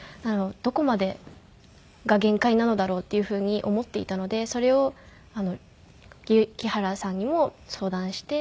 どこまでが限界なのだろう？っていうふうに思っていたのでそれを木原さんにも相談して。